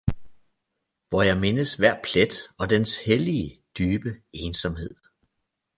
Hvor jeg mindes hver plet og dens hellige, dybe ensomhed!